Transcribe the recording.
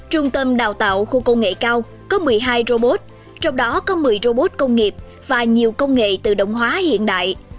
trung tâm đào tạo khu công nghệ cao có một mươi hai robot trong đó có một mươi robot công nghiệp và nhiều công nghệ tự động hóa hiện đại